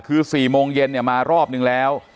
คือ๔โมงเย็นมารอบนึงแล้ว